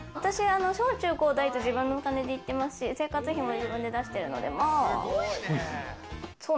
小中高大と自分のお金で行ってますし、生活費も自分で出してるので。